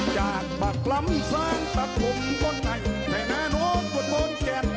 จากปากล้ำสร้างตะกลุ่มบนในในหน้าโน้มขวดโม้นแก่น